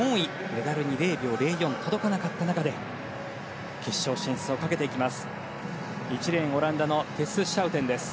メダルに０秒０４届かなかった中で決勝進出をかけていきます。